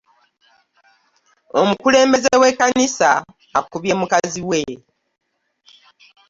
Omukulembeze we kkanisa akubye mukazi we.